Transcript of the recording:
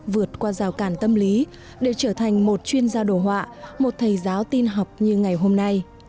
vượt qua rào cản tâm lý để trở thành một chuyên gia đồ họa một thầy giáo tin học như ngày hôm nay